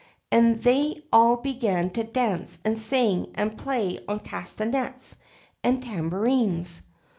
And they all began to dance and sing, and play on castanets and tambourines.